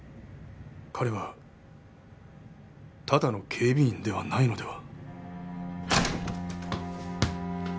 彼はただの警備員ではないのでは？